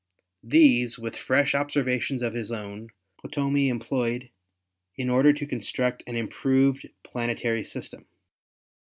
These, with fresh observations of his own, Ptolemy em ployed in order to construct an improved planetary system.